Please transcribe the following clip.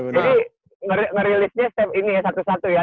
jadi ngerilisnya satu satu ya